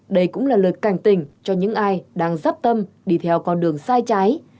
đây cũng là lợi cảnh tình cho những ai đang sắp tâm đi theo con đường sai trái